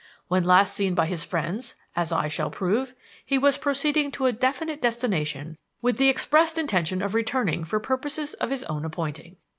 When last seen by his friends, as I shall prove, he was proceeding to a definite destination with the expressed intention of returning for purposes of his own appointing.